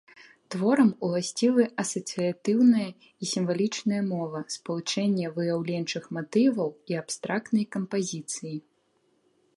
Творам уласцівы асацыятыўная і сімвалічная мова, спалучэнне выяўленчых матываў і абстрактнай кампазіцыі.